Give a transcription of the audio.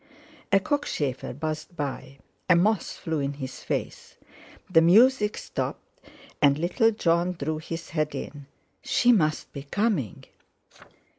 A cockchafer buzzed by, a moth flew in his face, the music stopped, and little Jon drew his head in. She must be coming!